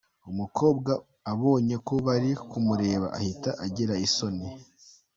Umukobwa abonye ko bari kumureba ahita agira isoni.